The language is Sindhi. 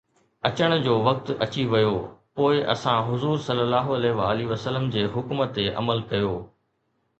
اچڻ جو وقت اچي ويو، پوءِ اسان حضور ﷺ جي حڪم تي عمل ڪيو